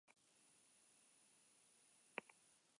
Bizkortasun hori da biosentsorearen abantailetako bat.